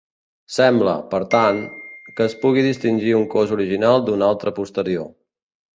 Sembla, per tant, que es pugui distingir un cos original d'un altre posterior.